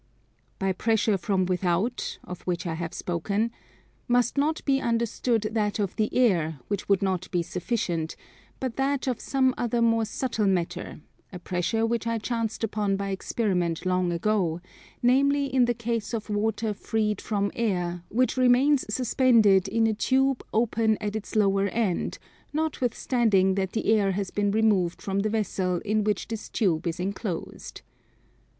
By pressure from without, of which I have spoken, must not be understood that of the air, which would not be sufficient, but that of some other more subtle matter, a pressure which I chanced upon by experiment long ago, namely in the case of water freed from air, which remains suspended in a tube open at its lower end, notwithstanding that the air has been removed from the vessel in which this tube is enclosed.